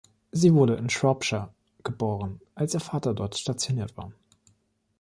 Sie wurde in Shropshire geboren, als ihr Vater dort stationiert war.